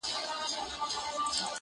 o چي تلو تلو کي معنا ستا د کتو اوړي,